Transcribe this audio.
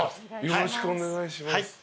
よろしくお願いします。